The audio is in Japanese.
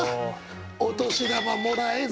お年玉もらえずと。